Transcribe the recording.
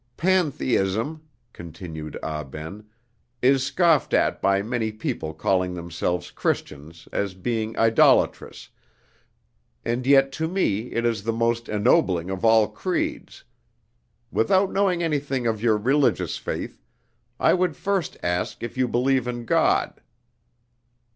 "Pantheism," continued Ah Ben, "is scoffed at by many people calling themselves Christians as being idolatrous, and yet to me it is the most ennobling of all creeds. Without knowing anything of your religious faith, I would first ask if you believe in God?"